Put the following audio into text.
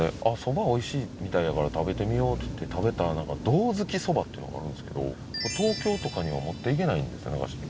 あっそば美味しいみたいやから食べてみようっつって食べたらなんかどうづきそばっていうのがあるんですけど東京とかには持って行けないんですよね。